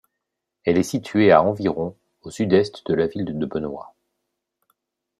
Elle est située à environ au sud-est de la ville de Benoit.